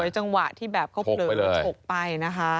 ถูกไปเลย